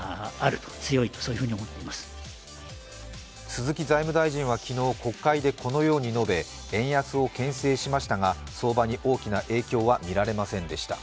鈴木財務大臣は昨日、国会でこのように述べ円安をけん制しましたが相場に大きな影響はみられませんでした。